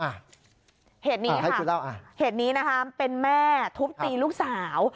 เหตุนี้นะครับเป็นแม่ทุบตีลูกสาว